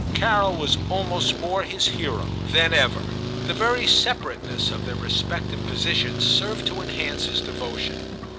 Carol was almost more his hero 144 I^IM CHAP. than ever. The very separateness of their respective positions served to enhance his devotion.